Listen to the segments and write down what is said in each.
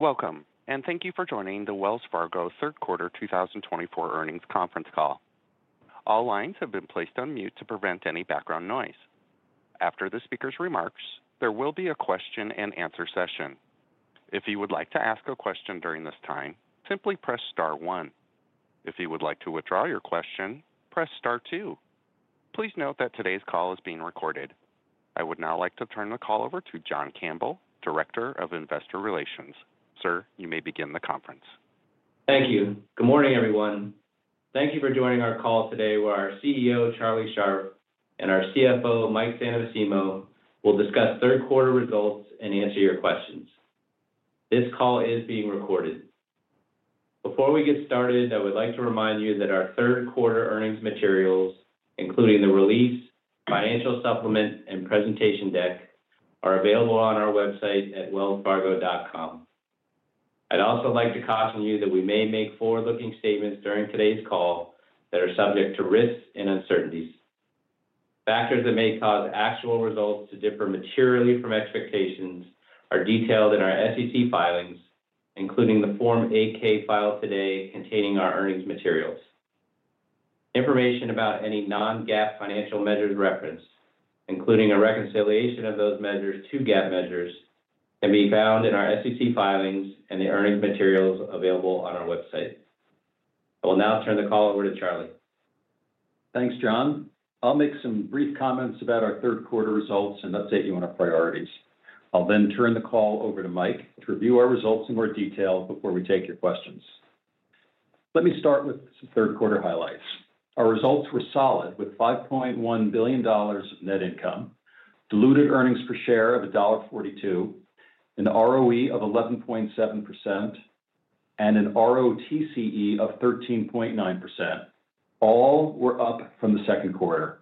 Welcome, and thank you for joining the Wells Fargo Third Quarter 2024 Earnings Conference Call. All lines have been placed on mute to prevent any background noise. After the speaker's remarks, there will be a question-and-answer session. If you would like to ask a question during this time, simply press star one. If you would like to withdraw your question, press star two. Please note that today's call is being recorded. I would now like to turn the call over to John Campbell, Director of Investor Relations. Sir, you may begin the conference. Thank you. Good morning, everyone. Thank you for joining our call today, where our CEO, Charlie Scharf, and our CFO, Mike Santomassimo, will discuss third quarter results and answer your questions. This call is being recorded. Before we get started, I would like to remind you that our third quarter earnings materials, including the release, financial supplement, and presentation deck, are available on our website at wellsfargo.com. I'd also like to caution you that we may make forward-looking statements during today's call that are subject to risks and uncertainties. Factors that may cause actual results to differ materially from expectations are detailed in our SEC filings, including the Form 8-K filed today containing our earnings materials. Information about any non-GAAP financial measures referenced, including a reconciliation of those measures to GAAP measures, can be found in our SEC filings and the earnings materials available on our website. I will now turn the call over to Charlie. Thanks, John. I'll make some brief comments about our third quarter results and update you on our priorities. I'll then turn the call over to Mike to review our results in more detail before we take your questions. Let me start with some third quarter highlights. Our results were solid, with $5.1 billion of net income, diluted earnings per share of $1.42, an ROE of 11.7%, and an ROTCE of 13.9%. All were up from the second quarter.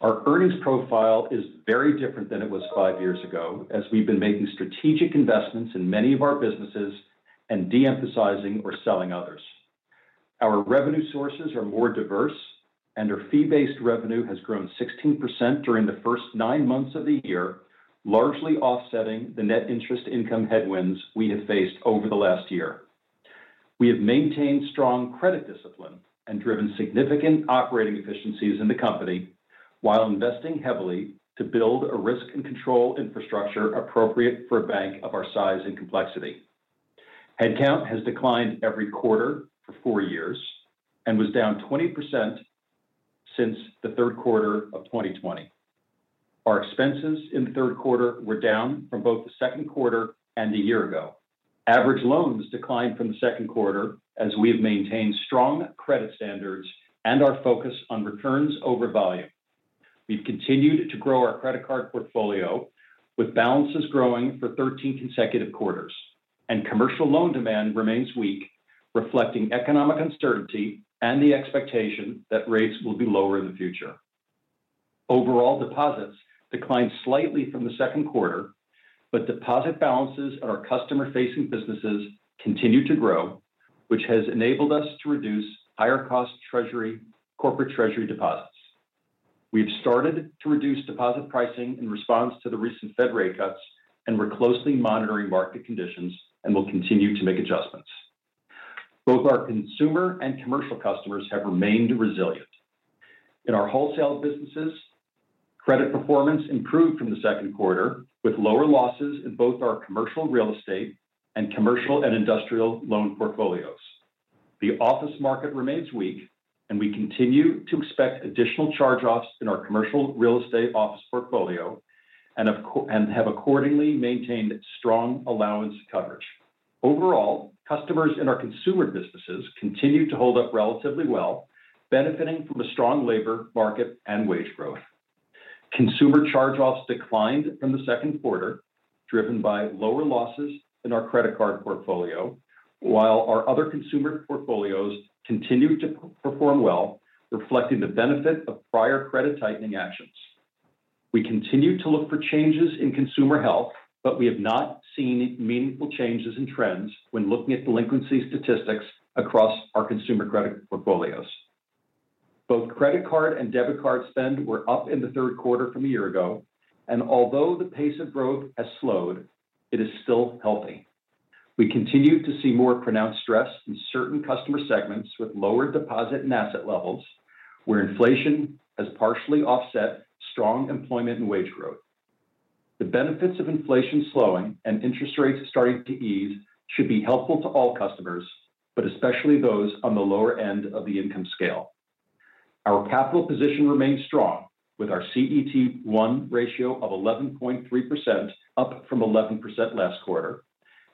Our earnings profile is very different than it was five years ago, as we've been making strategic investments in many of our businesses and de-emphasizing or selling others. Our revenue sources are more diverse, and our fee-based revenue has grown 16% during the first nine months of the year, largely offsetting the net interest income headwinds we have faced over the last year. We have maintained strong credit discipline and driven significant operating efficiencies in the company while investing heavily to build a risk and control infrastructure appropriate for a bank of our size and complexity. Headcount has declined every quarter for four years and was down 20% since the third quarter of 2020. Our expenses in the third quarter were down from both the second quarter and a year ago. Average loans declined from the second quarter, as we have maintained strong credit standards and our focus on returns over volume. We've continued to grow our Credit Card portfolio, with balances growing for 13 consecutive quarters, and commercial loan demand remains weak, reflecting economic uncertainty and the expectation that rates will be lower in the future. Overall, deposits declined slightly from the second quarter, but deposit balances at our customer-facing businesses continue to grow, which has enabled us to reduce higher-cost Treasury, Corporate Treasury deposits. We've started to reduce deposit pricing in response to the recent Fed rate cuts, and we're closely monitoring market conditions and will continue to make adjustments. Both our consumer and commercial customers have remained resilient. In our wholesale businesses, credit performance improved from the second quarter, with lower losses in both our Commercial Real Estate and Commercial and Industrial loan portfolios. The office market remains weak, and we continue to expect additional charge-offs in our commercial real estate office portfolio and have accordingly maintained strong allowance coverage. Overall, customers in our consumer businesses continued to hold up relatively well, benefiting from a strong labor market and wage growth. Consumer charge-offs declined from the second quarter, driven by lower losses in our Credit Card portfolio, while our other consumer portfolios continued to perform well, reflecting the benefit of prior credit tightening actions. We continue to look for changes in consumer health, but we have not seen meaningful changes in trends when looking at delinquency statistics across our consumer credit portfolios. Both Credit Card and debit card spend were up in the third quarter from a year ago, and although the pace of growth has slowed, it is still healthy. We continue to see more pronounced stress in certain customer segments with lower deposit and asset levels, where inflation has partially offset strong employment and wage growth. The benefits of inflation slowing and interest rates starting to ease should be helpful to all customers, but especially those on the lower end of the income scale. Our capital position remains strong, with our CET1 ratio of 11.3%, up from 11% last quarter,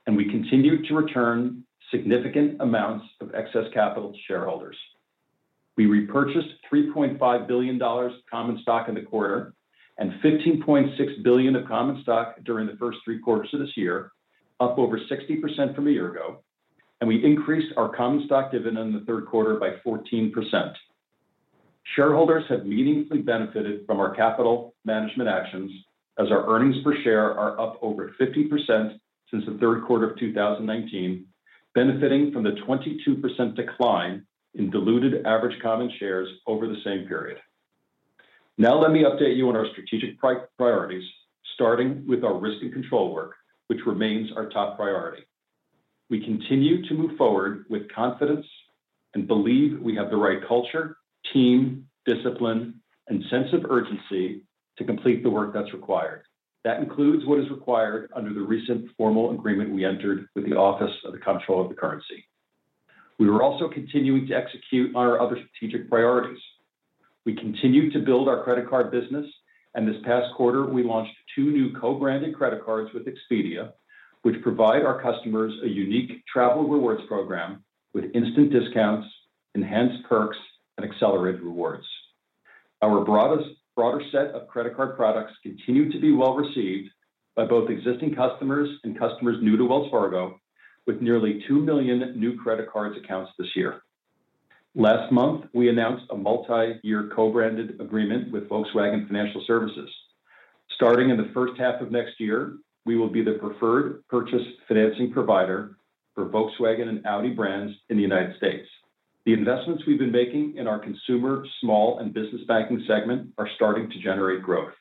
and we continue to return significant amounts of excess capital to shareholders. We repurchased $3.5 billion common stock in the quarter and $15.6 billion of common stock during the first three quarters of this year, up over 60% from a year ago, and we increased our common stock dividend in the third quarter by 14%. Shareholders have meaningfully benefited from our capital management actions, as our earnings per share are up over 50% since the third quarter of 2019, benefiting from the 22% decline in diluted average common shares over the same period. Now let me update you on our strategic priorities, starting with our risk and control work, which remains our top priority. We continue to move forward with confidence and believe we have the right culture, team, discipline, and sense of urgency to complete the work that's required. That includes what is required under the recent formal agreement we entered with the Office of the Comptroller of the Currency. We are also continuing to execute on our other strategic priorities. We continue to build our credit card business, and this past quarter, we launched two new co-branded credit cards with Expedia, which provide our customers a unique travel rewards program with instant discounts, enhanced perks, and accelerated rewards. Our broader set of credit card products continue to be well received by both existing customers and customers new to Wells Fargo, with nearly two million new credit card accounts this year. Last month, we announced a multi-year co-branded agreement with Volkswagen Financial Services. Starting in the first half of next year, we will be the preferred purchase financing provider for Volkswagen and Audi brands in the United States. The investments we've been making in our Consumer, Small and Business Banking segment are starting to generate growth.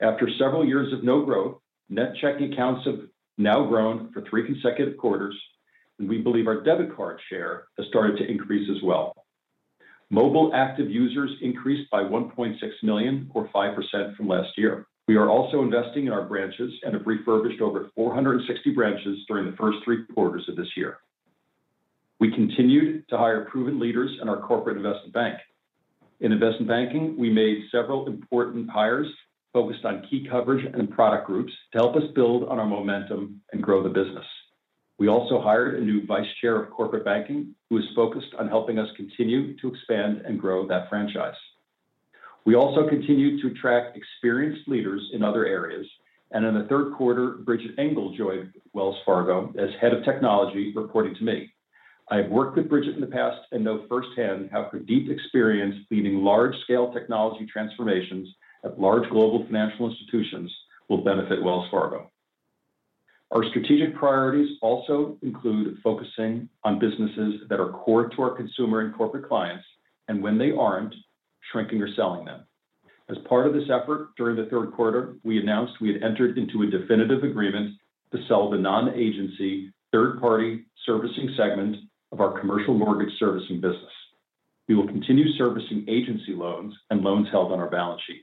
After several years of no growth, net checking accounts have now grown for three consecutive quarters, and we believe our debit card share has started to increase as well. Mobile active users increased by 1.6 million, or 5% from last year. We are also investing in our branches and have refurbished over 460 branches during the first three quarters of this year. We continued to hire proven leaders in our Corporate Investment Bank. In investment banking, we made several important hires, focused on key coverage and product groups to help us build on our momentum and grow the business. We also hired a new vice chair of corporate banking, who is focused on helping us continue to expand and grow that franchise. We also continued to attract experienced leaders in other areas, and in the third quarter, Bridget Engle joined Wells Fargo as Head of Technology, reporting to me. I have worked with Bridget in the past and know firsthand how her deep experience leading large-scale technology transformations at large global financial institutions will benefit Wells Fargo. Our strategic priorities also include focusing on businesses that are core to our consumer and corporate clients, and when they aren't, shrinking or selling them. As part of this effort, during the third quarter, we announced we had entered into a definitive agreement to sell the non-agency, third-party servicing segment of our commercial mortgage servicing business. We will continue servicing agency loans and loans held on our balance sheet.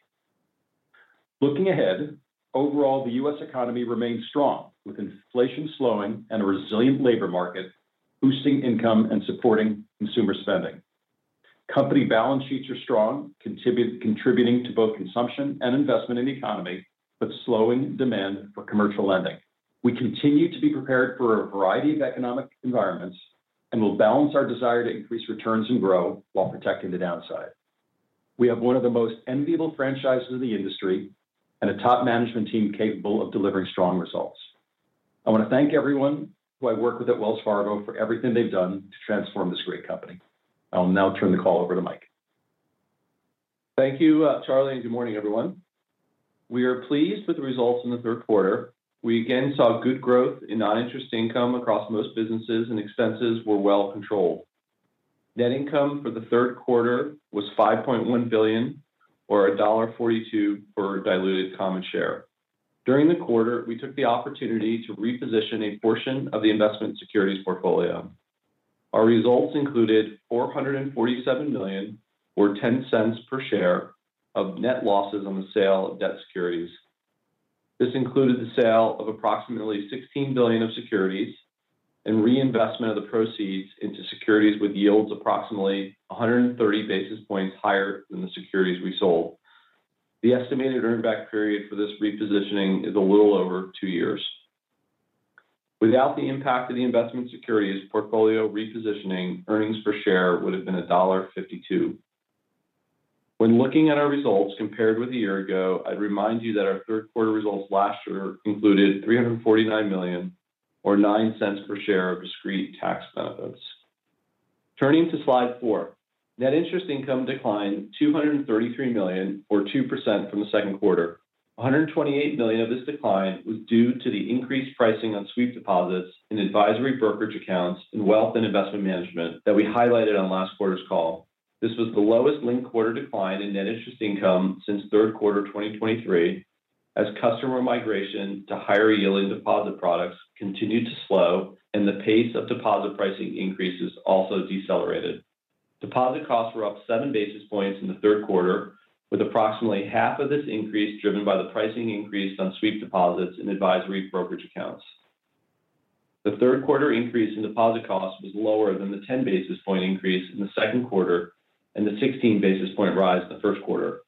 Looking ahead, overall, the U.S. economy remains strong, with inflation slowing and a resilient labor market, boosting income and supporting consumer spending. Company balance sheets are strong, contributing to both consumption and investment in the economy, but slowing demand for commercial lending. We continue to be prepared for a variety of economic environments and will balance our desire to increase returns and grow while protecting the downside. We have one of the most enviable franchises in the industry and a top management team capable of delivering strong results. I want to thank everyone who I work with at Wells Fargo for everything they've done to transform this great company. I'll now turn the call over to Mike. Thank you, Charlie, and good morning, everyone. We are pleased with the results in the third quarter. We again saw good growth in non-interest income across most businesses, and expenses were well controlled. Net income for the third quarter was $5.1 billion or $1.42 per diluted common share. During the quarter, we took the opportunity to reposition a portion of the investment securities portfolio. Our results included $447 million or $0.10 per share of net losses on the sale of debt securities. This included the sale of approximately $16 billion of securities and reinvestment of the proceeds into securities with yields approximately 130 basis points higher than the securities we sold. The estimated earn back period for this repositioning is a little over two years. Without the impact of the investment securities portfolio repositioning, earnings per share would have been $1.52. When looking at our results compared with a year ago, I'd remind you that our third quarter results last year included $349 million or $0.09 per share of discrete tax benefits. Turning to Slide four, net interest income declined $233 million, or 2% from the second quarter. $128 million of this decline was due to the increased pricing on sweep deposits in advisory brokerage accounts and Wealth and Investment Management that we highlighted on last quarter's call. This was the lowest linked quarter decline in net interest income since third quarter of 2023, as customer migration to higher-yielding deposit products continued to slow, and the pace of deposit pricing increases also decelerated. Deposit costs were up seven basis points in the third quarter, with approximately half of this increase driven by the pricing increase on sweep deposits in advisory brokerage accounts. The third quarter increase in deposit costs was lower than the ten basis points increase in the second quarter and the sixteen basis points rise in the first quarter.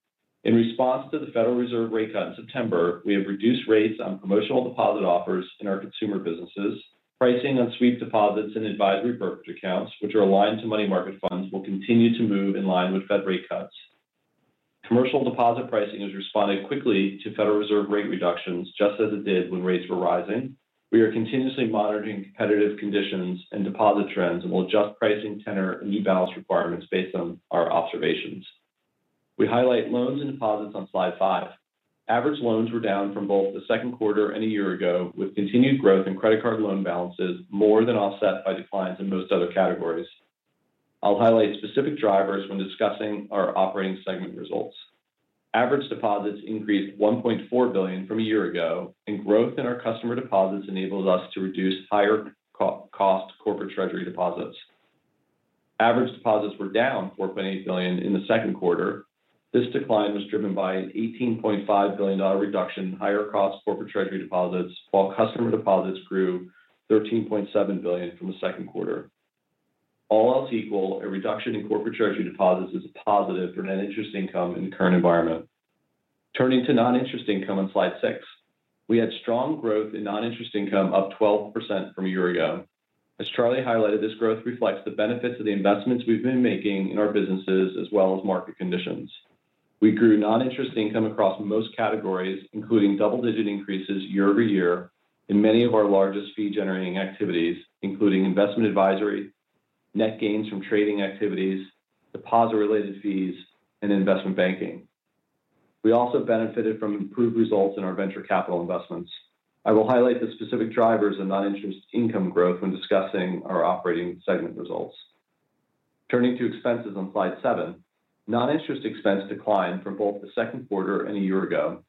In response to the Federal Reserve rate cut in September, we have reduced rates on promotional deposit offers in our consumer businesses. Pricing on sweep deposits and advisory brokerage accounts, which are aligned to money market funds, will continue to move in line with Fed rate cuts. Commercial deposit pricing has responded quickly to Federal Reserve rate reductions, just as it did when rates were rising. We are continuously monitoring competitive conditions and deposit trends and will adjust pricing, tenor, and rebalance requirements based on our observations. We highlight loans and deposits on Slide five. Average loans were down from both the second quarter and a year ago, with continued growth in credit card loan balances more than offset by declines in most other categories. I'll highlight specific drivers when discussing our operating segment results. Average deposits increased $1.4 billion from a year ago, and growth in our customer deposits enables us to reduce higher-cost Corporate Treasury deposits. Average deposits were down $4.8 billion in the second quarter. This decline was driven by an $18.5 billion reduction in higher-cost Corporate Treasury deposits, while customer deposits grew $13.7 billion from the second quarter. All else equal, a reduction in Corporate Treasury deposits is a positive for net interest income in the current environment. Turning to non-interest income on Slide six, we had strong growth in non-interest income, up 12% from a year ago. As Charlie highlighted, this growth reflects the benefits of the investments we've been making in our businesses, as well as market conditions. We grew non-interest income across most categories, including double-digit increases year-over-year in many of our largest fee-generating activities, including investment advisory, net gains from trading activities, deposit-related fees, and investment banking. We also benefited from improved results in our venture capital investments. I will highlight the specific drivers of non-interest income growth when discussing our operating segment results. Turning to expenses on Slide seven, non-interest expense declined from both the second quarter and a year ago.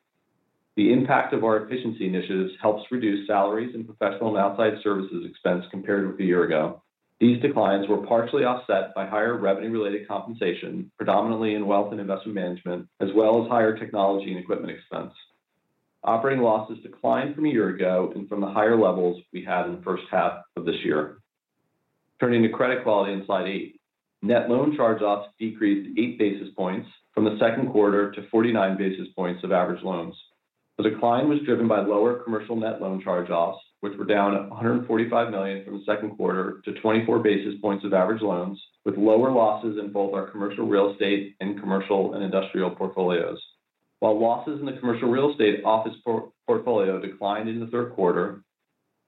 The impact of our efficiency initiatives helps reduce salaries and professional and outside services expense compared with a year ago. These declines were partially offset by higher revenue-related compensation, predominantly in Wealth and Investment Management, as well as higher technology and equipment expense. Operating losses declined from a year ago and from the higher levels we had in the first half of this year. Turning to credit quality on Slide eight. Net loan charge-offs decreased eight basis points from the second quarter to 49 basis points of average loans. The decline was driven by lower commercial net loan charge-offs, which were down 145 million from the second quarter to 24 basis points of average loans, with lower losses in both our commercial real estate and commercial and industrial portfolios. While losses in the commercial real estate office portfolio declined in the third quarter,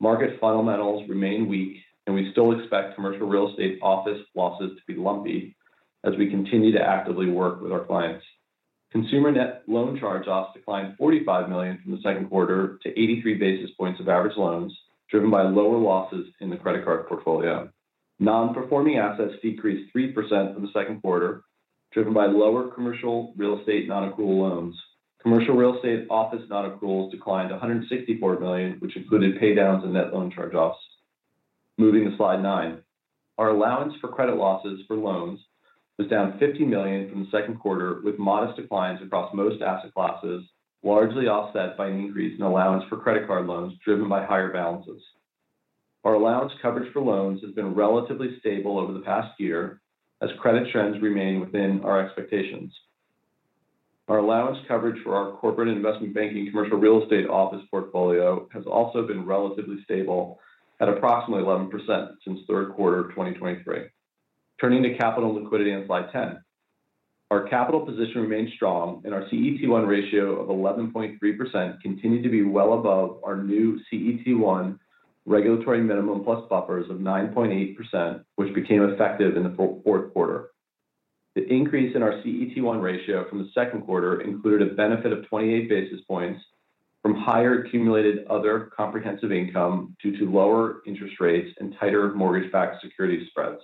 market fundamentals remain weak, and we still expect commercial real estate office losses to be lumpy as we continue to actively work with our clients. Consumer net loan charge-offs declined $45 million from the second quarter to 83 basis points of average loans, driven by lower losses in the credit card portfolio. Non-performing assets decreased 3% from the second quarter, driven by lower commercial real estate non-accrual loans. Commercial real estate office non-accruals declined $164 million, which included paydowns and net loan charge-offs. Moving to Slide nine. Our allowance for credit losses for loans was down $50 million from the second quarter, with modest declines across most asset classes, largely offset by an increase in allowance for credit card loans driven by higher balances. Our allowance coverage for loans has been relatively stable over the past year as credit trends remain within our expectations. Our allowance coverage for our Corporate Investment Banking commercial real estate office portfolio has also been relatively stable at approximately 11% since third quarter of 2023. Turning to capital and liquidity on Slide 10. Our capital position remains strong, and our CET1 ratio of 11.3% continued to be well above our new CET1 regulatory minimum plus buffers of 9.8%, which became effective in the fourth quarter. The increase in our CET1 ratio from the second quarter included a benefit of 28 basis points from higher accumulated other comprehensive income due to lower interest rates and tighter mortgage-backed security spreads.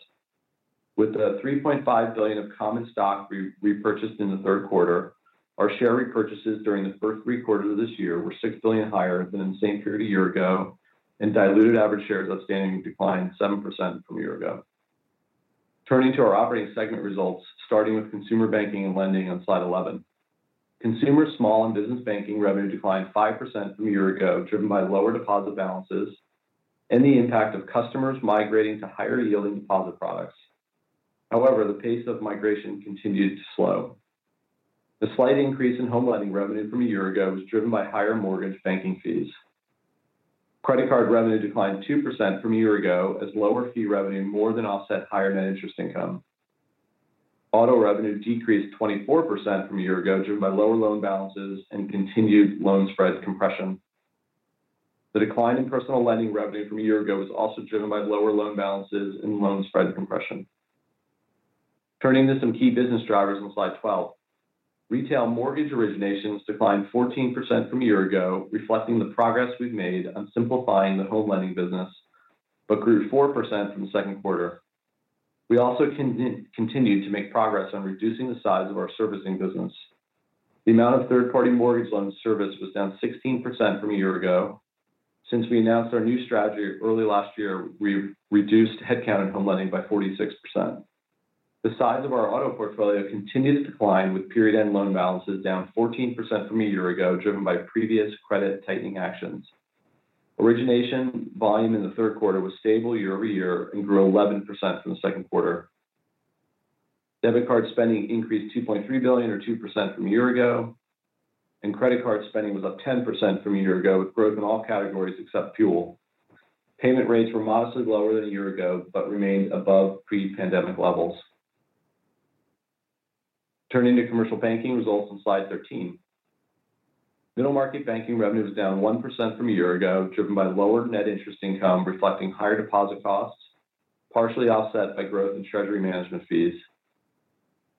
With the $3.5 billion of common stock we repurchased in the third quarter, our share repurchases during the first three quarters of this year were $6 billion higher than in the same period a year ago, and diluted average shares outstanding declined 7% from a year ago. Turning to our operating segment results, starting with Consumer Banking and Lending on Slide 11. Consumer, Small and Business Banking revenue declined 5% from a year ago, driven by lower deposit balances and the impact of customers migrating to higher-yielding deposit products. However, the pace of migration continued to slow. The slight increase in Home Lending revenue from a year ago was driven by higher mortgage banking fees. Credit card revenue declined 2% from a year ago as lower fee revenue more than offset higher net interest income. Auto revenue decreased 24% from a year ago, driven by lower loan balances and continued loan spread compression. The decline in Personal Lending revenue from a year ago was also driven by lower loan balances and loan spread compression. Turning to some key business drivers on Slide 12. Retail mortgage originations declined 14% from a year ago, reflecting the progress we've made on simplifying the Home Lending business, but grew 4% from the second quarter. We also continued to make progress on reducing the size of our servicing business. The amount of third-party mortgage loans serviced was down 16% from a year ago. Since we announced our new strategy early last year, we reduced headcount in Home Lending by 46%. The size of our Auto portfolio continued to decline, with period-end loan balances down 14% from a year ago, driven by previous credit tightening actions. Origination volume in the third quarter was stable year-over-year and grew 11% from the second quarter. Debit card spending increased $2.3 billion or 2% from a year ago, and credit card spending was up 10% from a year ago, with growth in all categories except fuel. Payment rates were modestly lower than a year ago, but remained above pre-pandemic levels. Turning to Commercial Banking results on Slide 13. Middle Market Banking revenue was down 1% from a year ago, driven by lower net interest income, reflecting higher deposit costs, partially offset by growth in treasury management fees.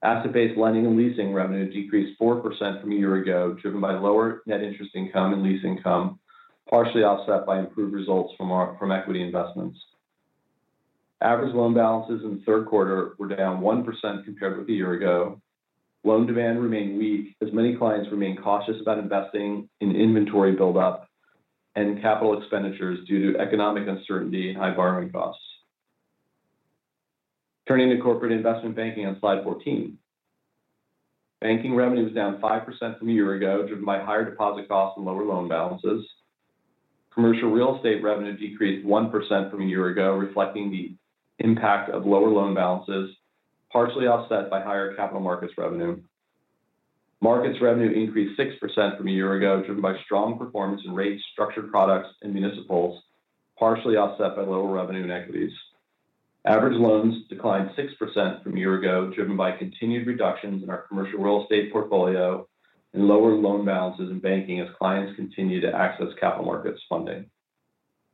Asset-Based Lending and Leasing revenue decreased 4% from a year ago, driven by lower net interest income and lease income, partially offset by improved results from equity investments. Average loan balances in the third quarter were down 1% compared with a year ago. Loan demand remained weak as many clients remained cautious about investing in inventory buildup and capital expenditures due to economic uncertainty and high borrowing costs. Turning to corporate investment banking on Slide 14. Banking revenue was down 5% from a year ago, driven by higher deposit costs and lower loan balances. Commercial real estate revenue decreased 1% from a year ago, reflecting the impact of lower loan balances, partially offset by higher capital markets revenue. Markets revenue increased 6% from a year ago, driven by strong performance in rate structured products and municipals, partially offset by lower revenue in equities. Average loans declined 6% from a year ago, driven by continued reductions in our commercial real estate portfolio and lower loan balances in banking as clients continue to access capital markets funding.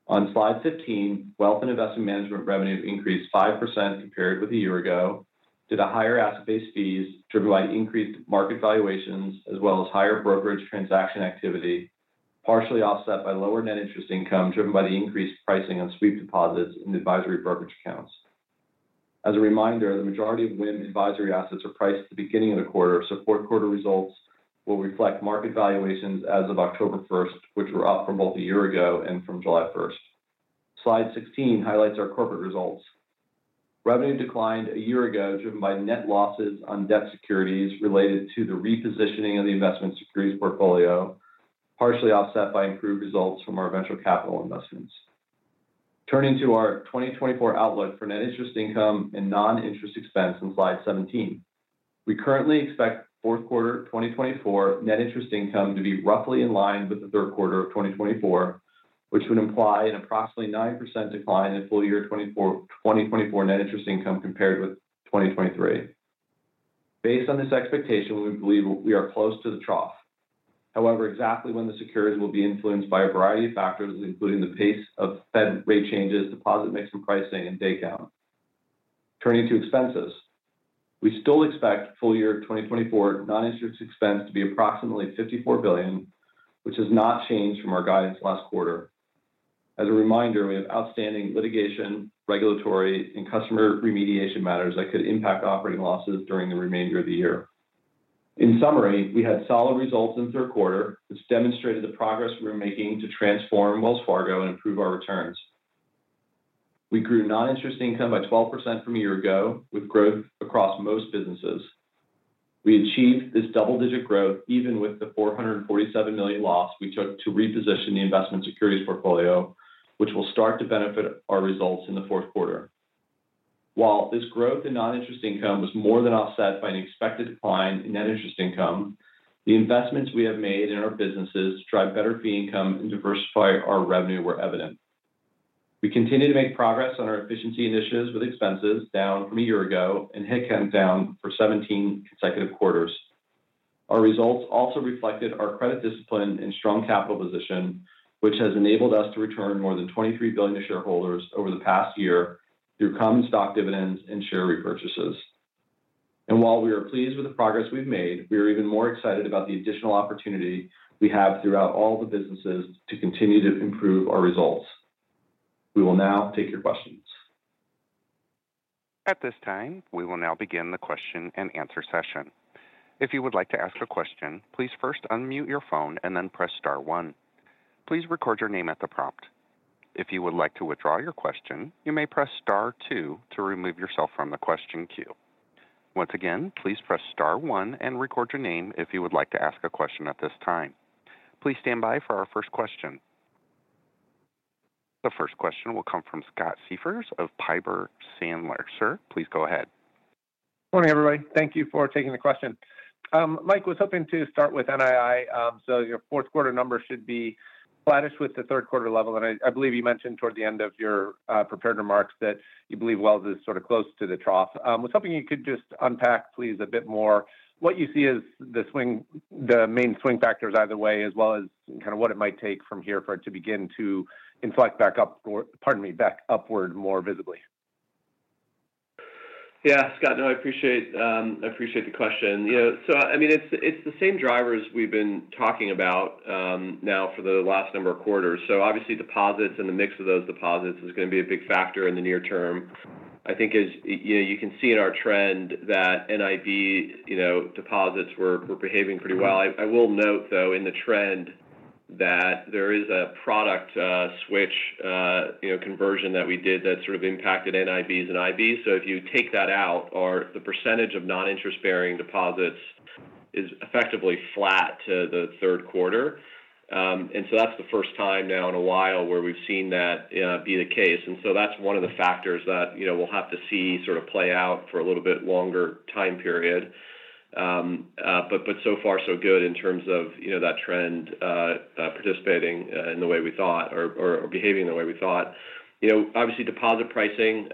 On Slide 15, Wealth and Investment Management revenue increased 5% compared with a year ago, due to higher asset-based fees driven by increased market valuations as well as higher brokerage transaction activity, partially offset by lower net interest income driven by the increased pricing on sweep deposits in the advisory brokerage accounts. As a reminder, the majority of WIM advisory assets are priced at the beginning of the quarter, so fourth quarter results will reflect market valuations as of October first, which were up from both a year ago and from July first. Slide 16 highlights our corporate results. Revenue declined a year ago, driven by net losses on debt securities related to the repositioning of the investment securities portfolio, partially offset by improved results from our venture capital investments. Turning to our 2024 outlook for net interest income and non-interest expense on Slide 17. We currently expect fourth quarter 2024 net interest income to be roughly in line with the third quarter of 2024, which would imply an approximately 9% decline in full year 2024 net interest income compared with 2023. Based on this expectation, we believe we are close to the trough. However, exactly when the securities will be influenced by a variety of factors, including the pace of Fed rate changes, deposit mix and pricing, and day count. Turning to expenses. We still expect full year 2024 non-interest expense to be approximately $54 billion, which has not changed from our guidance last quarter. As a reminder, we have outstanding litigation, regulatory, and customer remediation matters that could impact operating losses during the remainder of the year. In summary, we had solid results in the third quarter, which demonstrated the progress we are making to transform Wells Fargo and improve our returns. We grew non-interest income by 12% from a year ago, with growth across most businesses. We achieved this double-digit growth even with the $447 million loss we took to reposition the investment securities portfolio, which will start to benefit our results in the fourth quarter. While this growth in non-interest income was more than offset by an expected decline in net interest income, the investments we have made in our businesses to drive better fee income and diversify our revenue were evident. We continue to make progress on our efficiency initiatives, with expenses down from a year ago and headcount down for 17 consecutive quarters. Our results also reflected our credit discipline and strong capital position, which has enabled us to return more than $23 billion to shareholders over the past year through common stock dividends and share repurchases. And while we are pleased with the progress we've made, we are even more excited about the additional opportunity we have throughout all the businesses to continue to improve our results. We will now take your questions. At this time, we will now begin the question and answer session. If you would like to ask a question, please first unmute your phone and then press star one. Please record your name at the prompt. If you would like to withdraw your question, you may press star two to remove yourself from the question queue. Once again, please press star one and record your name if you would like to ask a question at this time. Please stand by for our first question. The first question will come from Scott Siefers of Piper Sandler. Sir, please go ahead. Morning, everybody. Thank you for taking the question. Mike, was hoping to start with NII. So your fourth quarter numbers should be flattish with the third quarter level, and I believe you mentioned toward the end of your prepared remarks that you believe Wells is sort of close to the trough. I was hoping you could just unpack, please, a bit more, what you see as the swing, the main swing factors either way, as well as kind of what it might take from here for it to begin to inflect back up, or, pardon me, back upward more visibly. Yeah. Scott, no, I appreciate, I appreciate the question. You know, so, I mean, it's, it's the same drivers we've been talking about, now for the last number of quarters. So obviously, deposits and the mix of those deposits is going to be a big factor in the near term. I think as, you know, you can see in our trend that NIB, you know, deposits were behaving pretty well. I will note, though, in the trend, that there is a product switch, you know, conversion that we did that sort of impacted NIBs and IB. So if you take that out, our, the percentage of non-interest-bearing deposits is effectively flat to the third quarter. And so that's the first time now in a while where we've seen that, be the case. And so that's one of the factors that, you know, we'll have to see sort of play out for a little bit longer time period. But so far so good in terms of, you know, that trend participating in the way we thought or behaving the way we thought. You know, obviously, deposit pricing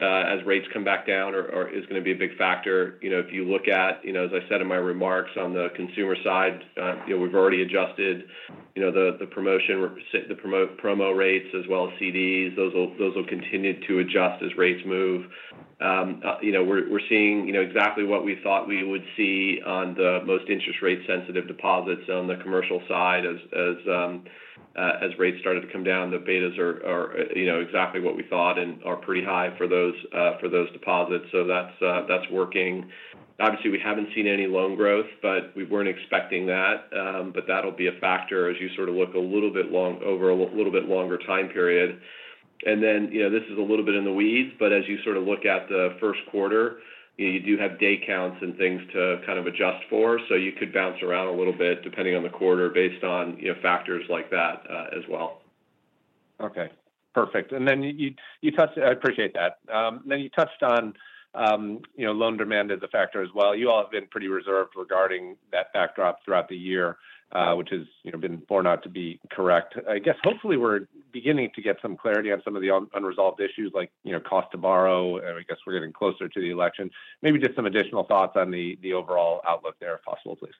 as rates come back down or is going to be a big factor. You know, if you look at, you know, as I said in my remarks on the consumer side, you know, we've already adjusted-... you know, the promotion, the promo rates as well as CDs, those will continue to adjust as rates move. You know, we're seeing exactly what we thought we would see on the most interest rate-sensitive deposits on the commercial side as rates started to come down, the betas are exactly what we thought and are pretty high for those deposits. So that's working. Obviously, we haven't seen any loan growth, but we weren't expecting that. But that'll be a factor as you sort of look a little bit longer over a little bit longer time period. And then, you know, this is a little bit in the weeds, but as you sort of look at the first quarter, you do have day counts and things to kind of adjust for. So you could bounce around a little bit, depending on the quarter, based on, you know, factors like that, as well. Okay, perfect. And then you touched... I appreciate that. Then you touched on, you know, loan demand as a factor as well. You all have been pretty reserved regarding that backdrop throughout the year, which has, you know, been borne out to be correct. I guess, hopefully, we're beginning to get some clarity on some of the unresolved issues like, you know, cost to borrow, and I guess we're getting closer to the election. Maybe just some additional thoughts on the overall outlook there, if possible, please.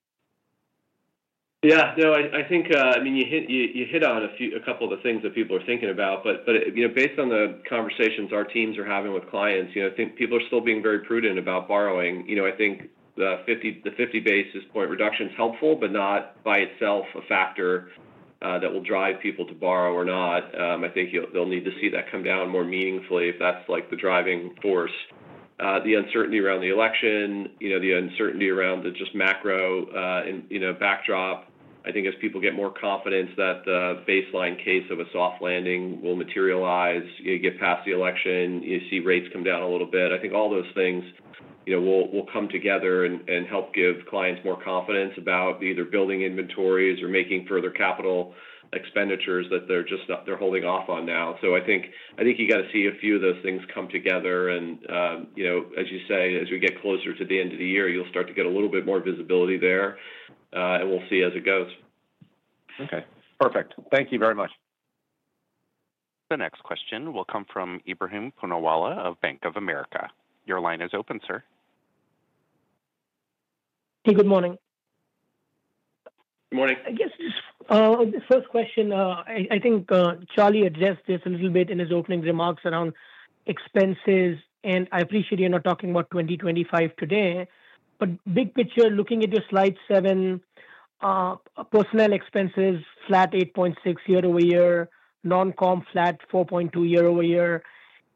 Yeah, no, I think, I mean, you hit on a couple of the things that people are thinking about. But, you know, based on the conversations our teams are having with clients, you know, I think people are still being very prudent about borrowing. You know, I think the 50, the 50 basis point reduction is helpful, but not by itself a factor that will drive people to borrow or not. I think they'll need to see that come down more meaningfully if that's, like the driving force. The uncertainty around the election, you know, the uncertainty around the just macro, and, you know, backdrop. I think as people get more confidence that the baseline case of a soft landing will materialize, you get past the election, you see rates come down a little bit. I think all those things, you know, will come together and help give clients more confidence about either building inventories or making further capital expenditures that they're just not-- they're holding off on now. So I think you got to see a few of those things come together, and, you know, as you say, as we get closer to the end of the year, you'll start to get a little bit more visibility there, and we'll see as it goes. Okay, perfect. Thank you very much. The next question will come from Ebrahim Poonawala of Bank of America. Your line is open, sir. Hey, good morning. Good morning. I guess, just, the first question, I, I think, Charlie addressed this a little bit in his opening remarks around expenses, and I appreciate you're not talking about 2025 today. But big picture, looking at your Slide seven, personnel expenses, flat 8.6 year-over-year, non-comp flat 4.2 year-over-year.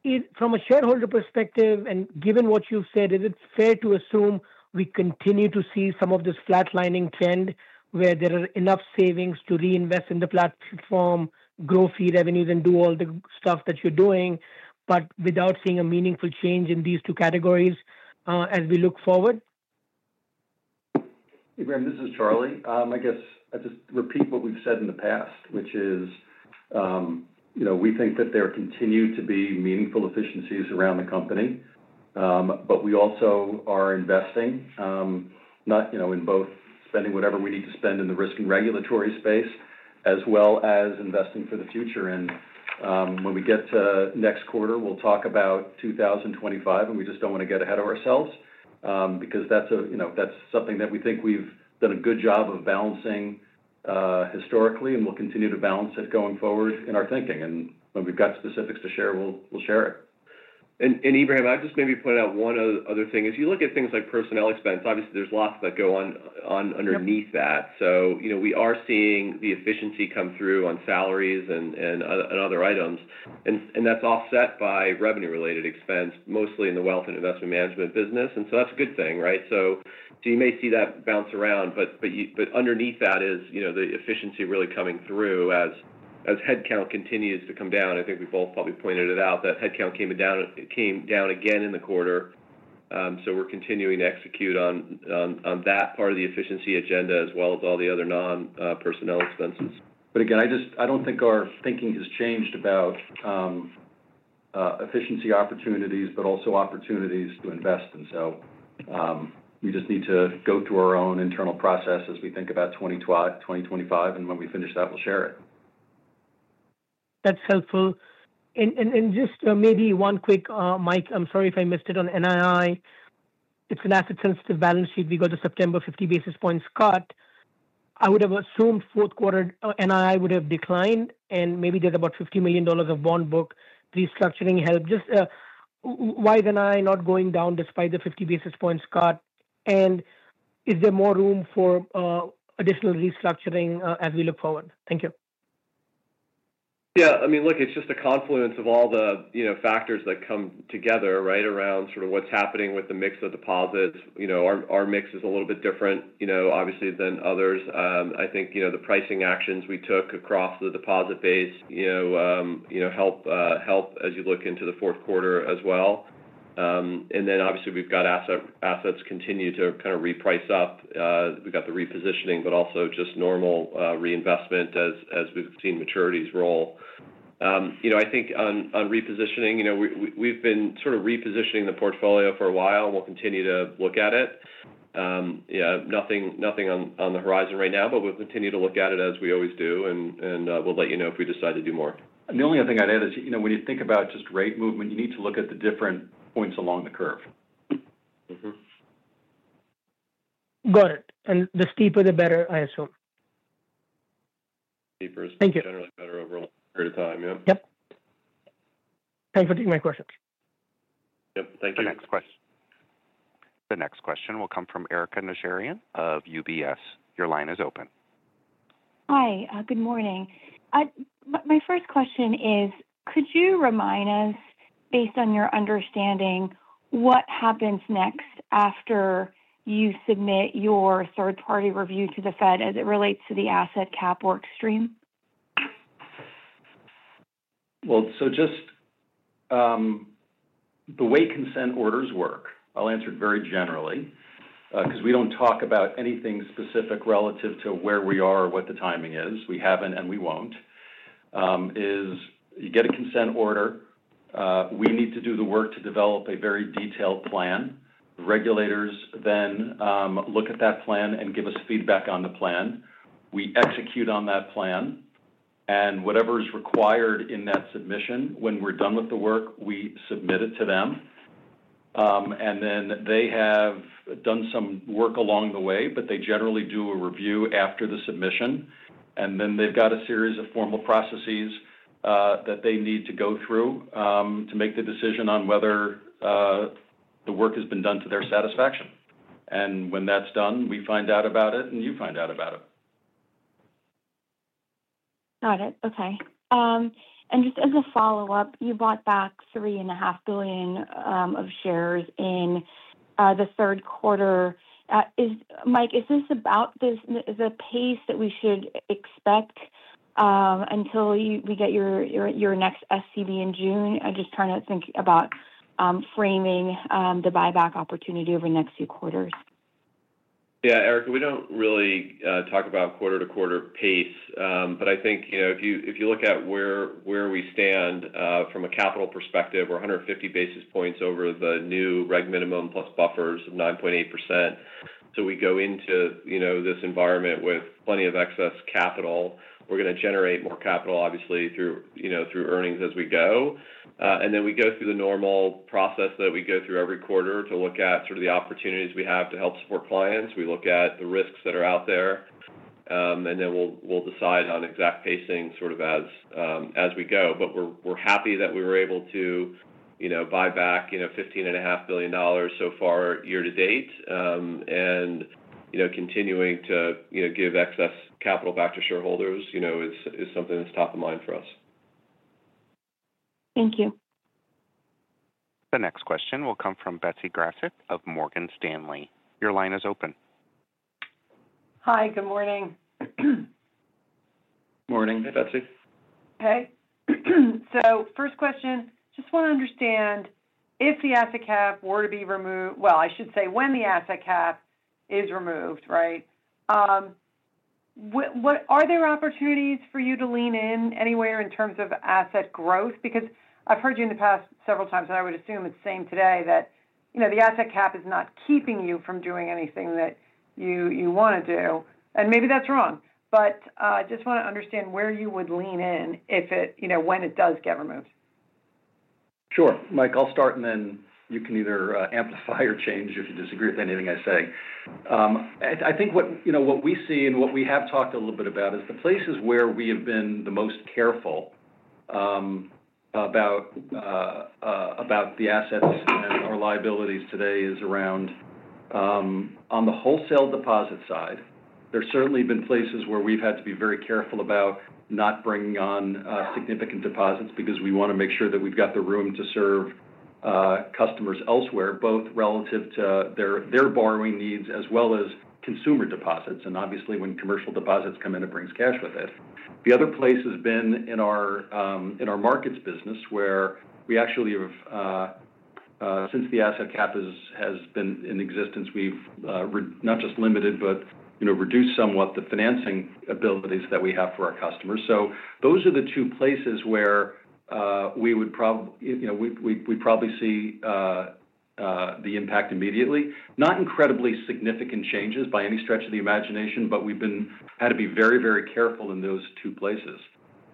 Is, from a shareholder perspective, and given what you've said, is it fair to assume we continue to see some of this flatlining trend where there are enough savings to reinvest in the platform, grow fee revenues, and do all the stuff that you're doing, but without seeing a meaningful change in these two categories, as we look forward? Ebrahim, this is Charlie. I guess I just repeat what we've said in the past, which is, you know, we think that there continue to be meaningful efficiencies around the company. But we also are investing, you know, in both spending whatever we need to spend in the risk and regulatory space, as well as investing for the future. And, when we get to next quarter, we'll talk about 2025 and we just don't want to get ahead of ourselves, because that's a, you know, that's something that we think we've done a good job of balancing, historically, and we'll continue to balance it going forward in our thinking. And when we've got specifics to share, we'll, we'll share it. And, Ebrahim, I'll just maybe point out one other thing. As you look at things like personnel expense, obviously, there's lots that go on, on- Yep... underneath that. So you know, we are seeing the efficiency come through on salaries and other items. And that's offset by revenue-related expense, mostly in the Wealth and Investment Management business. And so that's a good thing, right? So you may see that bounce around, but underneath that is, you know, the efficiency really coming through as headcount continues to come down. I think we both probably pointed it out, that headcount came down again in the quarter. So we're continuing to execute on that part of the efficiency agenda, as well as all the other non-personnel expenses. But again, I just—I don't think our thinking has changed about efficiency opportunities, but also opportunities to invest. And so, we just need to go through our own internal process as we think about 2025, and when we finish that, we'll share it. That's helpful. And just maybe one quick, Mike, I'm sorry if I missed it on NII. It's an asset-sensitive balance sheet. We got a September fifty basis points cut. I would have assumed fourth quarter NII would have declined, and maybe there's about $50 million of bond book restructuring help. Just, why is NII not going down despite the fifty basis points cut? And is there more room for additional restructuring as we look forward? Thank you. Yeah, I mean, look, it's just a confluence of all the, you know, factors that come together right around sort of what's happening with the mix of deposits. You know, our mix is a little bit different, you know, obviously, than others. I think, you know, the pricing actions we took across the deposit base, you know, help as you look into the fourth quarter as well. And then obviously, we've got assets continue to kind of reprice up. We've got the repositioning, but also just normal reinvestment as we've seen maturities roll. You know, I think on repositioning, you know, we've been sort of repositioning the portfolio for a while, and we'll continue to look at it. Yeah, nothing on the horizon right now, but we'll continue to look at it as we always do, and we'll let you know if we decide to do more. The only other thing I'd add is, you know, when you think about just rate movement, you need to look at the different points along the curve. Mm-hmm.... Got it. And the steeper, the better, I assume? Steeper is- Thank you. Generally better overall period of time. Yep. Yep. Thanks for taking my questions. Yep, thank you. The next question will come from Erika Najarian of UBS. Your line is open. Hi, good morning. My first question is, could you remind us, based on your understanding, what happens next after you submit your third-party review to the Fed as it relates to the asset cap work stream? Well, so just the way consent orders work, I'll answer it very generally because we don't talk about anything specific relative to where we are or what the timing is. We haven't and we won't. You get a consent order, we need to do the work to develop a very detailed plan. The regulators then look at that plan and give us feedback on the plan. We execute on that plan, and whatever is required in that submission, when we're done with the work, we submit it to them. And then they have done some work along the way, but they generally do a review after the submission, and then they've got a series of formal processes that they need to go through to make the decision on whether the work has been done to their satisfaction. When that's done, we find out about it, and you find out about it. Got it. Okay. And just as a follow-up, you bought back 3.5 billion shares in the third quarter. Is, Mike, is this the pace that we should expect until we get your next SCB in June? I'm just trying to think about framing the buyback opportunity over the next few quarters. Yeah, Erika, we don't really talk about quarter-to-quarter pace. But I think, you know, if you look at where we stand from a capital perspective, we're 150 basis points over the new reg minimum plus buffers of 9.8%. So we go into, you know, this environment with plenty of excess capital. We're going to generate more capital, obviously, through, you know, through earnings as we go. And then we go through the normal process that we go through every quarter to look at sort of the opportunities we have to help support clients. We look at the risks that are out there, and then we'll decide on exact pacing sort of as we go. We're happy that we were able to, you know, buy back, you know, $15.5 billion so far year to date. You know, continuing to, you know, give excess capital back to shareholders, you know, is something that's top of mind for us. Thank you. The next question will come from Betsy Graseck of Morgan Stanley. Your line is open. Hi, Good morning. Morning, Betsy. Hey. So first question, just want to understand, if the asset cap were to be removed... Well, I should say when the asset cap is removed, right? What are there opportunities for you to lean in anywhere in terms of asset growth? Because I've heard you in the past several times, and I would assume it's the same today, that, you know, the asset cap is not keeping you from doing anything that you want to do, and maybe that's wrong. But I just want to understand where you would lean in if it, you know, when it does get removed. Sure. Mike, I'll start, and then you can either amplify or change if you disagree with anything I say. I think what you know what we see and what we have talked a little bit about is the places where we have been the most careful about the assets and our liabilities today is around on the wholesale deposit side. There's certainly been places where we've had to be very careful about not bringing on significant deposits because we want to make sure that we've got the room to serve customers elsewhere, both relative to their borrowing needs as well as consumer deposits. And obviously, when commercial deposits come in, it brings cash with it. The other place has been in our markets business, where we actually have, since the asset cap has been in existence, we've not just limited but, you know, reduced somewhat the financing abilities that we have for our customers. So those are the two places where we would, you know, we'd probably see the impact immediately. Not incredibly significant changes by any stretch of the imagination, but we've had to be very, very careful in those two places.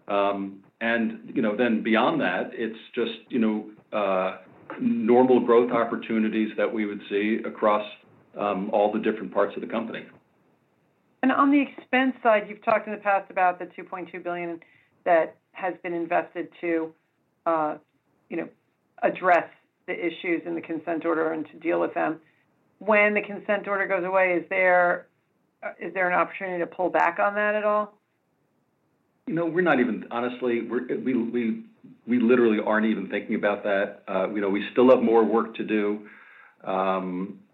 And, you know, then beyond that, it's just, you know, normal growth opportunities that we would see across all the different parts of the company. And on the expense side, you've talked in the past about the $2.2 billion that has been invested to, you know, address the issues in the consent order and to deal with them. When the consent order goes away, is there an opportunity to pull back on that at all? You know, we're not even-- honestly, we're literally aren't even thinking about that. You know, we still have more work to do.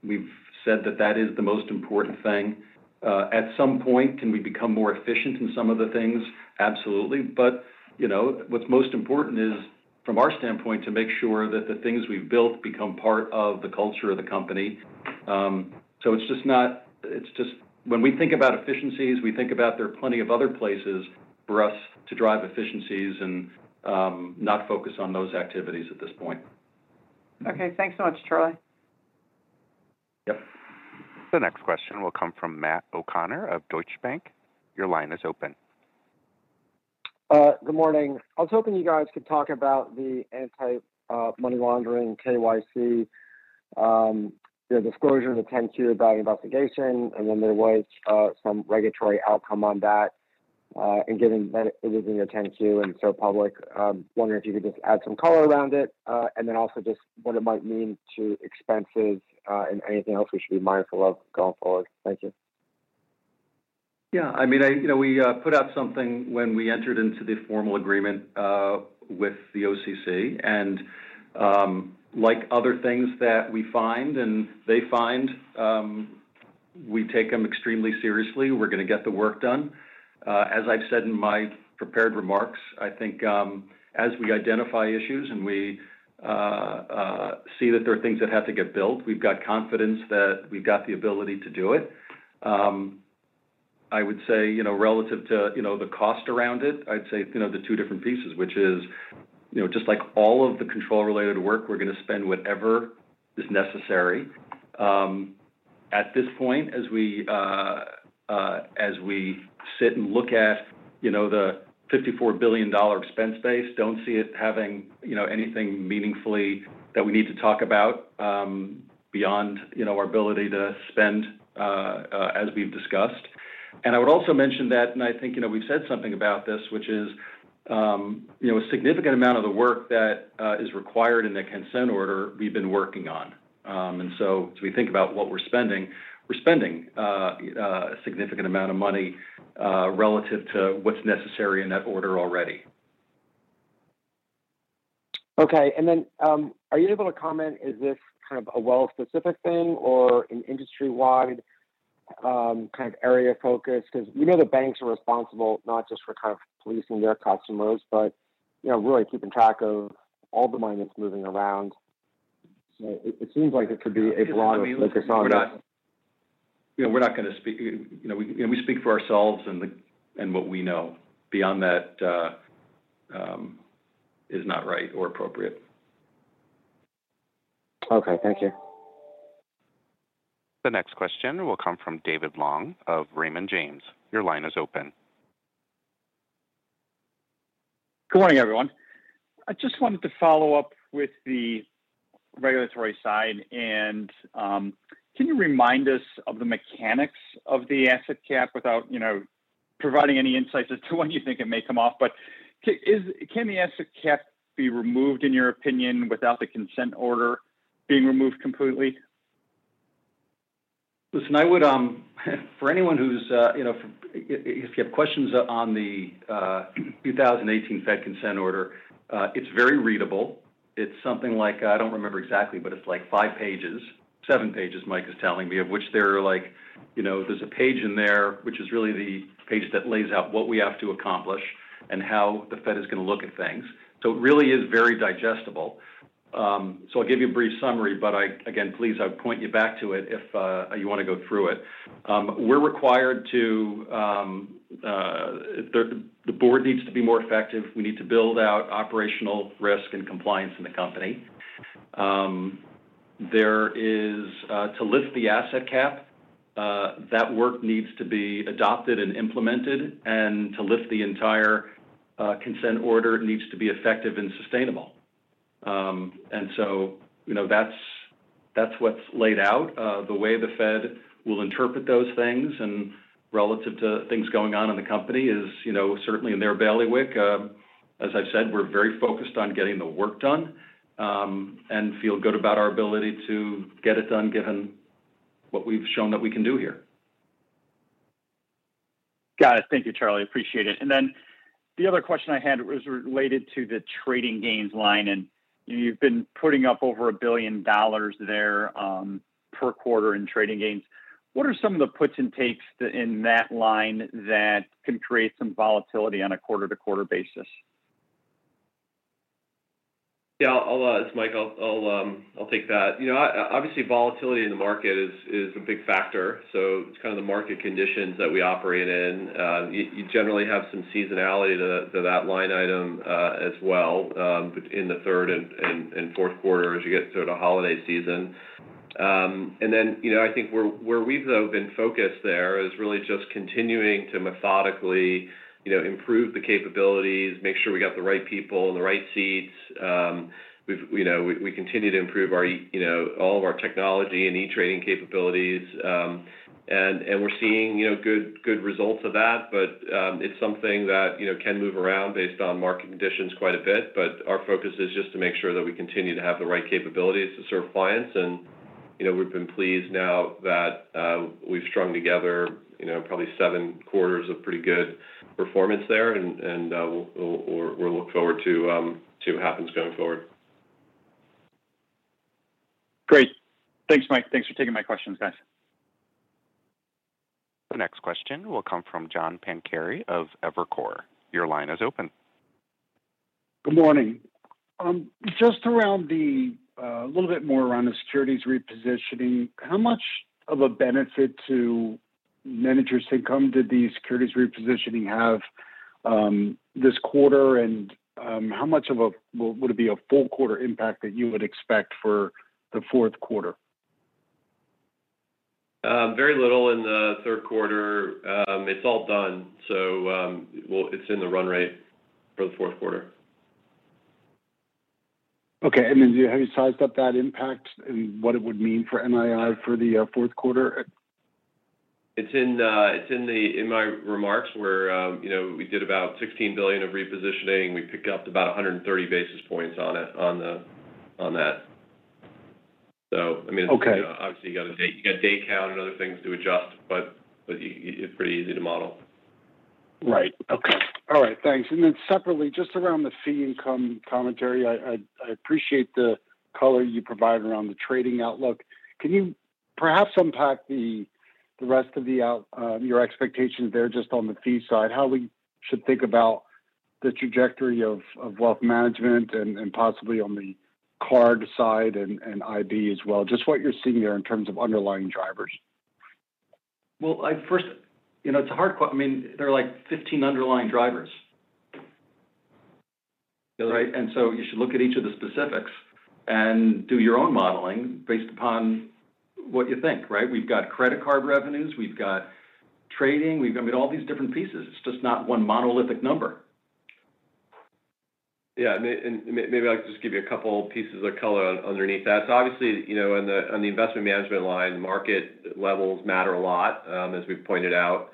We've said that that is the most important thing. At some point, can we become more efficient in some of the things? Absolutely. But you know, what's most important is, from our standpoint, to make sure that the things we've built become part of the culture of the company. So it's just not, it's just when we think about efficiencies, we think about there are plenty of other places for us to drive efficiencies and not focus on those activities at this point. Okay. Thanks so much, Charlie. Yep. The next question will come from Matt O'Connor of Deutsche Bank. Your line is open. ... Good morning. I was hoping you guys could talk about the anti-money laundering KYC, the disclosure of the 10-Q about investigation, and then there was some regulatory outcome on that, and given that it was in your 10-Q and so public, wondering if you could just add some color around it, and then also just what it might mean to expenses, and anything else we should be mindful of going forward. Thank you. Yeah, I mean, you know, we put out something when we entered into the formal agreement with the OCC, and like other things that we find and they find, we take them extremely seriously. We're going to get the work done. As I've said in my prepared remarks, I think, as we identify issues and we see that there are things that have to get built, we've got confidence that we've got the ability to do it. I would say, you know, relative to, you know, the cost around it, I'd say, you know, the two different pieces, which is, you know, just like all of the control-related work, we're going to spend whatever is necessary. At this point, as we sit and look at, you know, the $54 billion expense base, don't see it having, you know, anything meaningfully that we need to talk about, beyond, you know, our ability to spend, as we've discussed. And I would also mention that, and I think, you know, we've said something about this, which is, you know, a significant amount of the work that is required in the consent order we've been working on. And so as we think about what we're spending, we're spending a significant amount of money relative to what's necessary in that order already. Okay. And then, are you able to comment, is this kind of a Wells-specific thing or an industry-wide, kind of area focus? Because we know the banks are responsible not just for kind of policing their customers, but, you know, really keeping track of all the money that's moving around. So it seems like it could be a broad focus on that. You know, we're not going to speak. You know, we speak for ourselves and what we know. Beyond that is not right or appropriate. Okay. Thank you. The next question will come from David Long of Raymond James. Your line is open. Good morning, everyone. I just wanted to follow up with the regulatory side, and can you remind us of the mechanics of the asset cap without, you know, providing any insights as to when you think it may come off? But can the asset cap be removed, in your opinion, without the consent order being removed completely? Listen, I would for anyone who's you know if you have questions on the 2018 Fed consent order, it's very readable. It's something like, I don't remember exactly, but it's like five pages, seven pages, Mike is telling me, of which there are like you know there's a page in there, which is really the page that lays out what we have to accomplish and how the Fed is going to look at things. So it really is very digestible. So I'll give you a brief summary, but I again please I'd point you back to it if you want to go through it. We're required to, the board needs to be more effective. We need to build out operational risk and compliance in the company. There is, to lift the asset cap, that work needs to be adopted and implemented, and to lift the entire consent order needs to be effective and sustainable. And so, you know, that's, that's what's laid out. The way the Fed will interpret those things and relative to things going on in the company is, you know, certainly in their bailiwick. As I've said, we're very focused on getting the work done, and feel good about our ability to get it done, given what we've shown that we can do here. Got it. Thank you, Charlie. Appreciate it. And then the other question I had was related to the trading gains line, and you've been putting up over $1 billion there, per quarter in trading gains. What are some of the puts and takes in that line that can create some volatility on a quarter-to-quarter basis? Yeah, I'll, it's Mike. I'll take that. You know, obviously, volatility in the market is a big factor, so it's kind of the market conditions that we operate in. You generally have some seasonality to that line item as well in the third and fourth quarter as you get to the holiday season. And then, you know, I think where we've been focused there is really just continuing to methodically, you know, improve the capabilities, make sure we got the right people in the right seats. We've, you know, we continue to improve our e- you know, all of our technology and e-trading capabilities. And we're seeing, you know, good results of that, but it's something that, you know, can move around based on market conditions quite a bit. But our focus is just to make sure that we continue to have the right capabilities to serve clients. And, you know, we've been pleased now that we've strung together, you know, probably seven quarters of pretty good performance there, and we'll look forward to see what happens going forward. Great. Thanks, Mike. Thanks for taking my questions, guys. The next question will come from John Pancari of Evercore. Your line is open. Good morning. Just around the, a little bit more around the securities repositioning, how much of a benefit to net interest income did the securities repositioning have, this quarter? And, how much of a, would it be a full quarter impact that you would expect for the fourth quarter?... Very little in the third quarter. It's all done, so, well, it's in the run rate for the fourth quarter. Okay. And then have you sized up that impact and what it would mean for NII for the fourth quarter? It's in the in my remarks, where, you know, we did about $16 billion of repositioning. We picked up about 130 basis points on it, on the, on that. So I mean- Okay. Obviously, you got a date, you got day count and other things to adjust, but it's pretty easy to model. Right. Okay. All right, thanks. Then separately, just around the fee income commentary, I appreciate the color you provided around the trading outlook. Can you perhaps unpack the rest of the outlook, your expectations there, just on the fee side? How we should think about the trajectory of wealth management and possibly on the card side and IB as well. Just what you're seeing there in terms of underlying drivers. You know, it's a hard question. I mean, there are, like, fifteen underlying drivers. Right? And so you should look at each of the specifics and do your own modeling based upon what you think, right? We've got credit card revenues, we've got trading, we've got, I mean, all these different pieces. It's just not one monolithic number. Yeah, and maybe I'll just give you a couple pieces of color underneath that. So obviously, you know, on the investment management line, market levels matter a lot, as we've pointed out.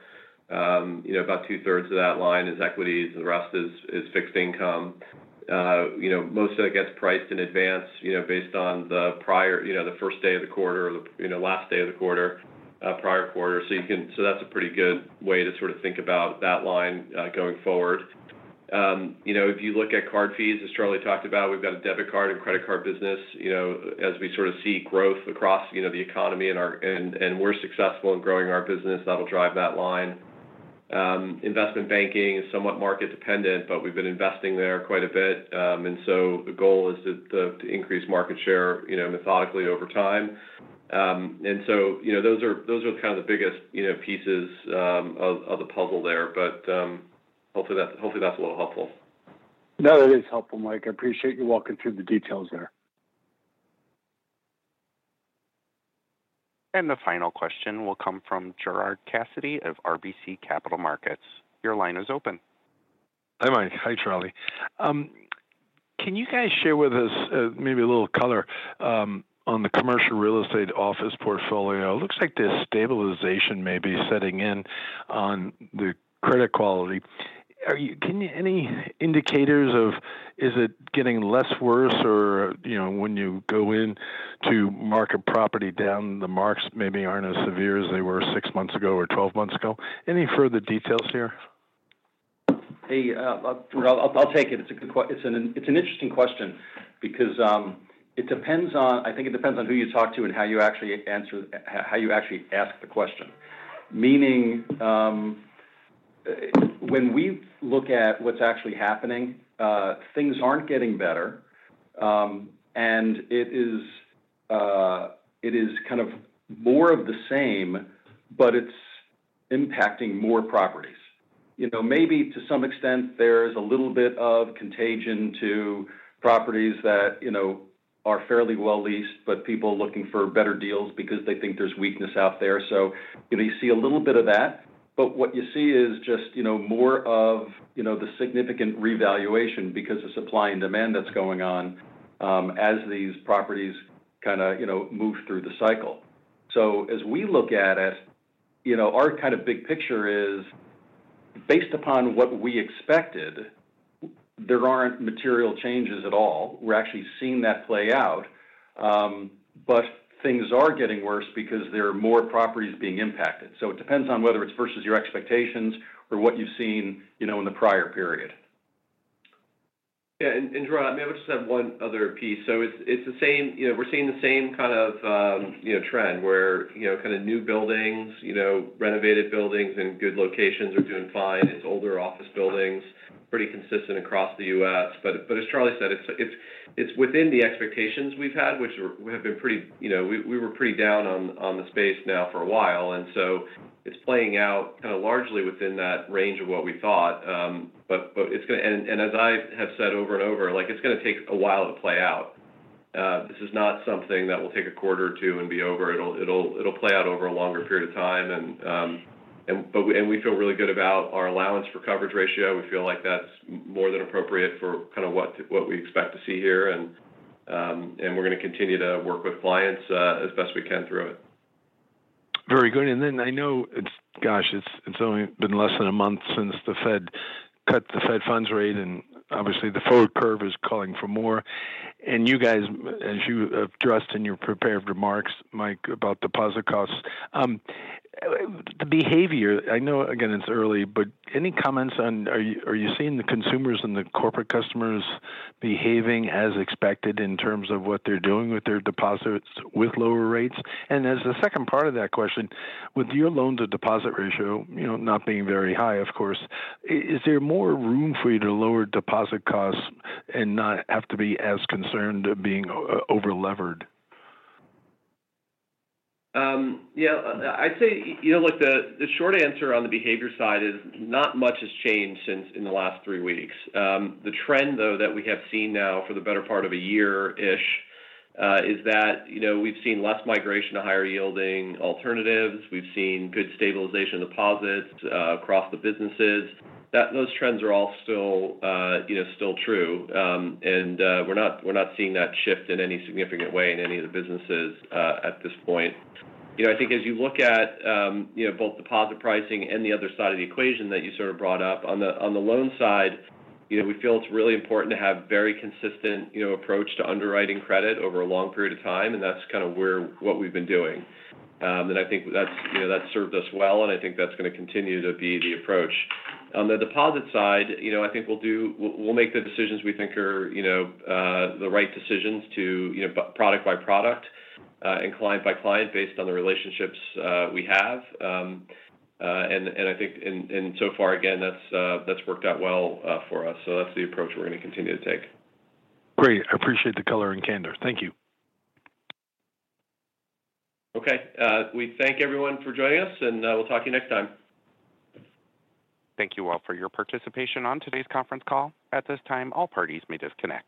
You know, about two-thirds of that line is equities, the rest is fixed income. You know, most of it gets priced in advance, you know, based on the prior, you know, the first day of the quarter, or the, you know, last day of the quarter, prior quarter. So that's a pretty good way to sort of think about that line, going forward. You know, if you look at card fees, as Charlie talked about, we've got a debit card and credit card business. You know, as we sort of see growth across, you know, the economy and our, and we're successful in growing our business, that'll drive that line. Investment banking is somewhat market dependent, but we've been investing there quite a bit, and so the goal is to increase market share, you know, methodically over time. And so, you know, those are kind of the biggest, you know, pieces of the puzzle there. But, hopefully that, hopefully that's a little helpful. No, that is helpful, Mike. I appreciate you walking through the details there. The final question will come from Gerard Cassidy of RBC Capital Markets. Your line is open. Hi, Mike. Hi, Charlie. Can you guys share with us, maybe a little color, on the commercial real estate office portfolio? It looks like the stabilization may be setting in on the credit quality. Can you... Any indicators of, is it getting less worse or, you know, when you go in to mark a property down, the marks maybe aren't as severe as they were six months ago or twelve months ago? Any further details here? Hey, I'll take it. It's a good – it's an interesting question because it depends on, I think it depends on who you talk to and how you actually answer, how you actually ask the question. Meaning, when we look at what's actually happening, things aren't getting better, and it is kind of more of the same, but it's impacting more properties. You know, maybe to some extent there's a little bit of contagion to properties that, you know, are fairly well leased, but people are looking for better deals because they think there's weakness out there. So, you know, you see a little bit of that, but what you see is just, you know, more of, you know, the significant revaluation because of supply and demand that's going on, as these properties kind of, you know, move through the cycle. So as we look at it, you know, our kind of big picture is, based upon what we expected, there aren't material changes at all. We're actually seeing that play out, but things are getting worse because there are more properties being impacted. So it depends on whether it's versus your expectations or what you've seen, you know, in the prior period. Yeah, and Gerard, I mean, I would just add one other piece. So it's the same, you know, we're seeing the same kind of trend where, you know, kind of new buildings, you know, renovated buildings and good locations are doing fine. It's older office buildings, pretty consistent across the U.S., but as Charlie said, it's within the expectations we've had, which we have been pretty, you know, we were pretty down on the space now for a while, and so it's playing out kind of largely within that range of what we thought. But it's gonna, and as I have said over and over, like, it's gonna take a while to play out. This is not something that will take a quarter or two and be over. It'll play out over a longer period of time, and we feel really good about our allowance for coverage ratio. We feel like that's more than appropriate for kind of what we expect to see here, and we're gonna continue to work with clients as best we can through it. Very good. And then I know it's only been less than a month since the Fed cut the Fed funds rate, and obviously, the forward curve is calling for more. And you guys, as you addressed in your prepared remarks, Mike, about deposit costs, the behavior, I know, again, it's early, but any comments on, are you seeing the consumers and the corporate customers behaving as expected in terms of what they're doing with their deposits with lower rates? And as the second part of that question, with your loan-to-deposit ratio, you know, not being very high, of course, is there more room for you to lower deposit costs and not have to be as concerned of being over-levered? Yeah, I'd say, you know, look, the short answer on the behavior side is not much has changed since in the last three weeks. The trend, though, that we have seen now for the better part of a year-ish, is that, you know, we've seen less migration to higher-yielding alternatives. We've seen good stabilization deposits, across the businesses. Those trends are all still, you know, still true, and we're not seeing that shift in any significant way in any of the businesses, at this point. You know, I think as you look at you know, both deposit pricing and the other side of the equation that you sort of brought up, on the loan side, you know, we feel it's really important to have very consistent you know, approach to underwriting credit over a long period of time, and that's kind of what we've been doing. And I think that's you know, that's served us well, and I think that's gonna continue to be the approach. On the deposit side, you know, I think we'll make the decisions we think are you know, the right decisions to you know, product by product and client by client, based on the relationships we have. I think, and so far, again, that's worked out well for us, so that's the approach we're gonna continue to take. Great. I appreciate the color and candor. Thank you. Okay. We thank everyone for joining us, and we'll talk to you next time. Thank you all for your participation on today's conference call. At this time, all parties may disconnect.